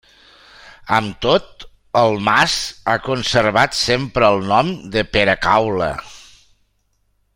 Amb tot, el mas ha conservat sempre el nom de Peracaula.